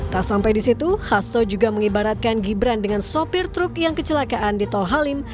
tak sampai di situ hasto juga mengibaratkan gibran dengan sopir truk yang kecelakaan di tol halim